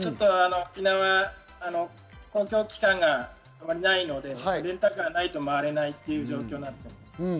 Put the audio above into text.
沖縄は公共機関があまりないので、レンタカーがないと回れない状況です。